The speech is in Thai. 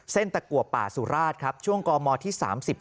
เส้นตะกัวป่าสุราชช่วงกมที่๓๐๓๑